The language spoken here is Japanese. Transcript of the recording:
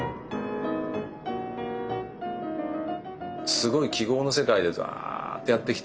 すごい記号の世界でダッてやってきて。